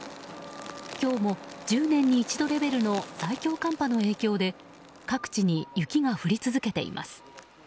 今日も、１０年に一度レベルの最強寒波の影響で各地に雪が降り続けています。